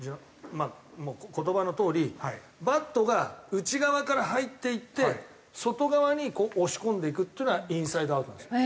まあ言葉のとおりバットが内側から入っていって外側に押し込んでいくっていうのがインサイドアウトなんですよ。